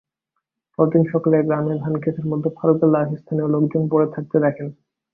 পরদিন সকালে গ্রামে ধানখেতের মধ্যে ফারুকের লাশ স্থানীয় লোকজন পড়ে থাকতে দেখেন।